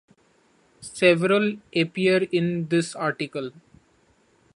Several appear in this article.